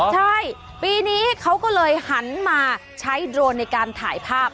ใช่ปีนี้เขาก็เลยหันมาใช้โดรนในการถ่ายภาพ